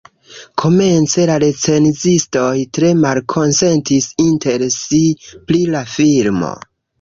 Komence la recenzistoj tre malkonsentis inter si pri la filmo.